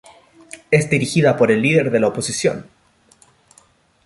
Es dirigida por el líder de la oposición.